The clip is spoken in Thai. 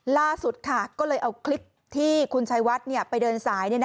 ล่าสุดก็เลยเอาคลิปที่คุณชัยวัดไปเดินสาย